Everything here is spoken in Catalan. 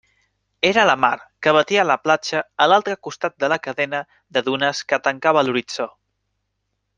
Era la mar, que batia la platja a l'altre costat de la cadena de dunes que tancava l'horitzó.